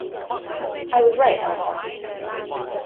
I was right, Alphonse.